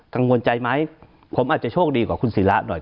กังวลใจไหมผมอาจจะโชคดีกว่าคุณศิระหน่อย